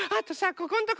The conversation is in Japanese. ここんとこ。